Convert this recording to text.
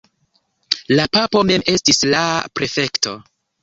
La papo mem estis la prefekto.